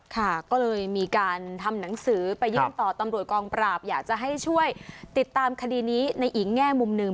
ค่ะก็เลยมีการทำหนังสือไปยื่นต่อตำรวจกองปราบอยากจะให้ช่วยติดตามคดีนี้ในอีกแง่มุมหนึ่ง